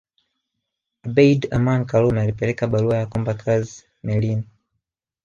Abeid Amani Karume alipeleka barua ya kuomba kazi melini